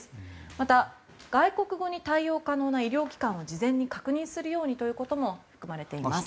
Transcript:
また、外国語に対応可能な医療機関を事前に確認することも含まれています。